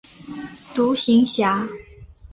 独行侠。